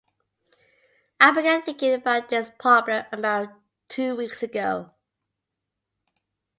I began thinking about this problem about two weeks ago.